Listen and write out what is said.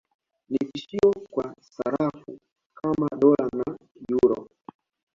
Ni tishio kwa sarafu kama Dola na Euro